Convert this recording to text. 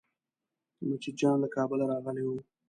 مجید جان له کابله راغلی و.